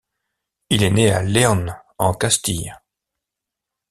Il est né à León en Castille.